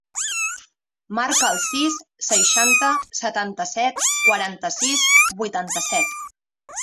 Marca el sis, seixanta, setanta-set, quaranta-sis, vuitanta-set.